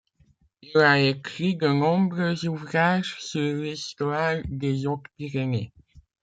Il a écrit de nombreux ouvrages sur l'histoire des Hautes-Pyrénées.